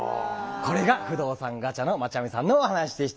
これが不動産ガチャのまちゃみさんのお話でした。